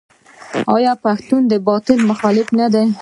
آیا پښتون د باطل مخالف نه دی؟